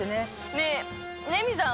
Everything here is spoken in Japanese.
ねえレミさん